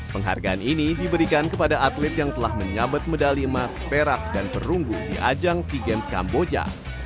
penghargaan ini diberikan kepada atlet yang telah menyabet medali emas perak dan perunggu di ajang sea games kamboja